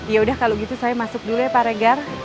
yaudah kalau gitu saya masuk dulu ya pak regar